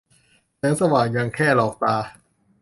แสงสว่างยังแค่หลอกตา